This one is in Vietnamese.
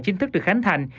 chính thức được khánh thành